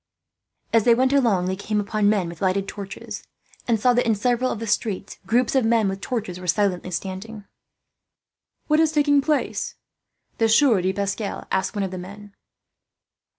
As they went along, they came upon men with lighted torches; and saw that, in several of the streets, groups of men with torches were silently standing. "What is taking place?" the Sieur de Pascal asked one of the men.